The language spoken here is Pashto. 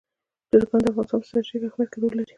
چرګان د افغانستان په ستراتیژیک اهمیت کې رول لري.